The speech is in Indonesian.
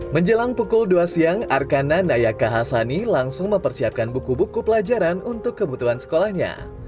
menjelang pukul dua siang arkana nayaka hasani langsung mempersiapkan buku buku pelajaran untuk kebutuhan sekolahnya